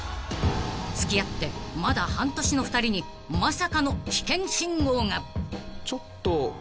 ［付き合ってまだ半年の２人にまさかの危険信号が！］